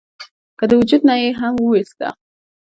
کۀ د وجود نه ئې هم اوويستۀ ؟